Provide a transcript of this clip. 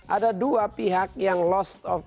ada dua pihak yang harus disambungkan